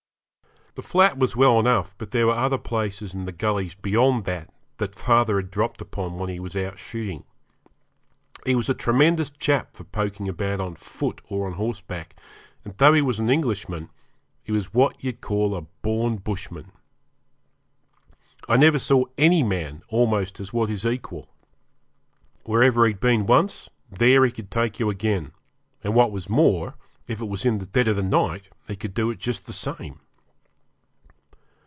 The flat was well enough, but there were other places in the gullies beyond that that father had dropped upon when he was out shooting. He was a tremendous chap for poking about on foot or on horseback, and though he was an Englishman, he was what you call a born bushman. I never saw any man almost as was his equal. Wherever he'd been once, there he could take you to again; and what was more, if it was in the dead of the night he could do it just the same.